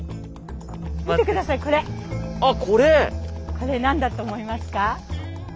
これ何だと思いますか？